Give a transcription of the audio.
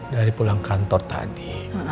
dari pulang kantor tadi